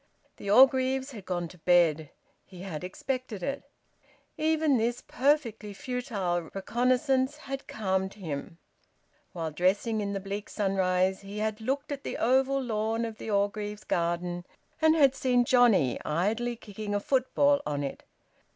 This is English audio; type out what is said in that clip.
The Orgreaves had gone to bed: he had expected it. Even this perfectly futile reconnaissance had calmed him. While dressing in the bleak sunrise he had looked at the oval lawn of the Orgreaves' garden, and had seen Johnnie idly kicking a football on it.